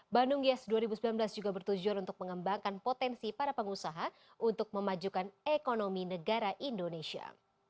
bandung yes dua ribu sembilan belas juga bertujuan untuk mengembangkan potensi para pengusaha untuk memajukan ekonomi negara indonesia